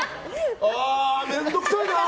ああ面倒くさいな！